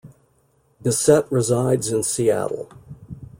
Bissett resides in Seattle.